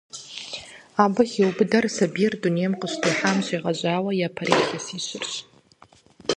Абы хиубыдэр сабийр дунейм къыщытехьам щегъэжьауэ япэрей илъэсищырщ.